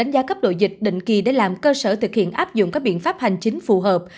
giá cấp độ dịch định kỳ để làm cơ sở thực hiện áp dụng các biện pháp hành chính phù hợp